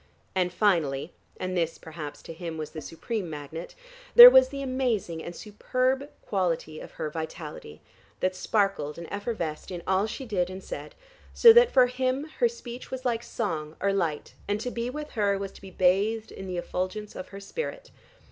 And finally (and this perhaps to him was the supreme magnet) there was the amazing and superb quality of her vitality, that sparkled and effervesced in all she did and said, so that for him her speech was like song or light, and to be with her was to be bathed in the effulgence of her spirit.